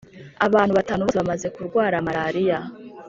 Abana batanu bose bamaze kurwara marariya